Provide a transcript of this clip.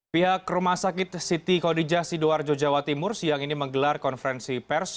pihak rumah sakit siti kodijah sidoarjo jawa timur siang ini menggelar konferensi pers